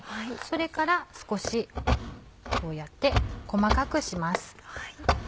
それから少しこうやって細かくします。